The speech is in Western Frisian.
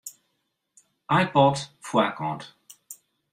iPod foarkant.